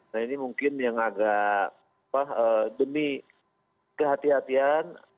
nah ini mungkin yang agak pak demi kehatian kehatian